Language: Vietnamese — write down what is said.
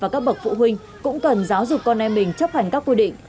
và các bậc phụ huynh cũng cần giáo dục con em mình chấp hành các quy định